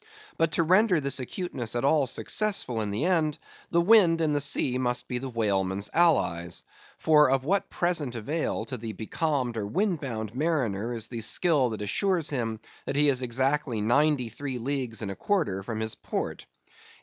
But to render this acuteness at all successful in the end, the wind and the sea must be the whaleman's allies; for of what present avail to the becalmed or windbound mariner is the skill that assures him he is exactly ninety three leagues and a quarter from his port?